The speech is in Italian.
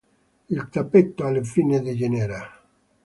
Il tappeto alle fine degenera.